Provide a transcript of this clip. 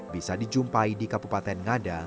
bisa dijumpai di kabupaten ngada